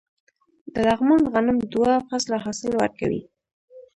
د لغمان غنم دوه فصله حاصل ورکوي.